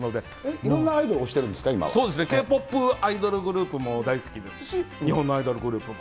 いろんなアイドル推してるんそうですね、Ｋ−ＰＯＰアイドルグループも大好きですし、日本のアイドルグループも。